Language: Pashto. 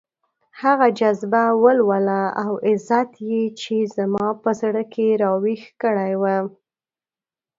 هغه جذبه، ولوله او عزت يې چې زما په زړه کې راويښ کړی وو.